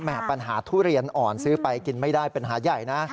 ปัญหาทุเรียนอ่อนซื้อไปกินไม่ได้ปัญหาใหญ่นะ